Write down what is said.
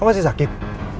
kamu masih sakit